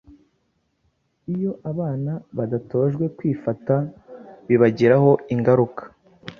iyo abana badatojwe kwifata bibagiraho ingaruka